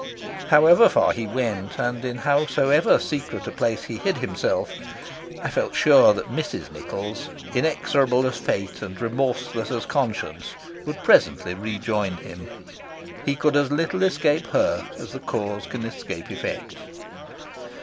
However far he went and in howsoever secret a place he hid himself, I felt sure that Mrs. Nichols, inexorable as fate and remorseless as conscience, would presently rejoin him. He could as little escape her as the cause can escape the effect.